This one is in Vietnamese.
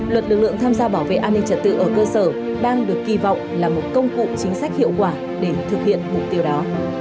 luật lực lượng tham gia bảo vệ an ninh trật tự ở cơ sở đang được kỳ vọng là một công cụ chính sách hiệu quả để thực hiện mục tiêu đó